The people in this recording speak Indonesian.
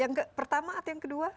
yang pertama atau yang kedua